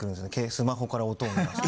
スマホから音を出して。